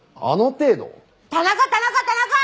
田中田中田中！